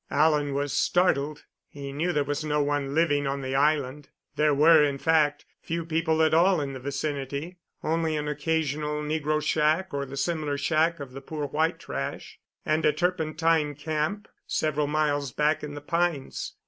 Alan was startled. He knew there was no one living on the island. There were, in fact, few people at all in the vicinity only an occasional negro shack or the similar shack of the "poor white trash," and a turpentine camp, several miles back in the pines.